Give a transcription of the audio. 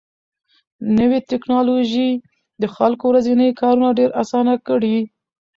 نوې ټکنالوژي د خلکو ورځني کارونه ډېر اسانه کړي